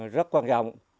rất quan trọng